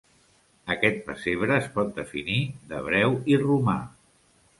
Aquest pessebre es pot definir d'hebreu i romà.